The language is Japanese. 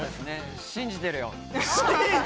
信じているよ。